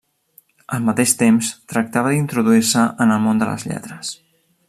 Al mateix temps tractava d'introduir-se en el món de les lletres.